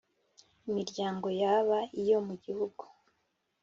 Imiryango yaba iyo mu gihugu